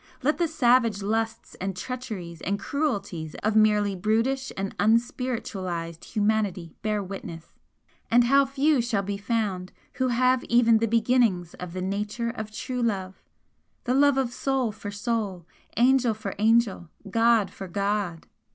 Let the savage lusts and treacheries and cruelties of merely brutish and unspiritualised humanity bear witness? And how few shall be found who have even the beginnings of the nature of true love 'the love of soul for soul, angel for angel, god for god!'